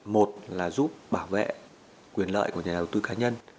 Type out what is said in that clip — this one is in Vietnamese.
một là giúp bảo vệ quyền lợi của nhà đầu tư cá nhân